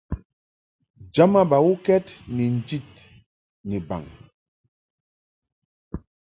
Jama bawukɛd ni njid ni baŋ.